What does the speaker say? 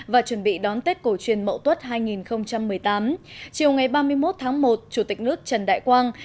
và chuẩn bị đón tết cổ truyền mậu tuất hai nghìn một mươi tám chiều ngày ba mươi một tháng một chủ tịch nước trần đại quang